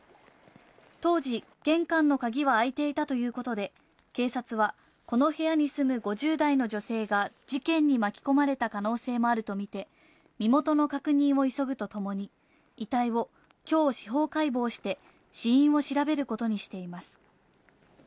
当時、玄関の鍵は開いていたということで、警察はこの部屋に住む５０代の女性が事件に巻き込まれた可能性もあるとみて、身元の確認を急ぐとともに、遺体をきょう司法解剖して死因を調べることにしています。